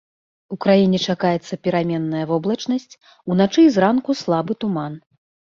У краіне чакаецца пераменная воблачнасць, уначы і зранку слабы туман.